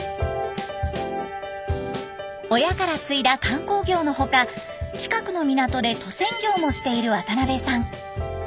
親から継いだ観光業の他近くの港で渡船業もしている渡邊さん。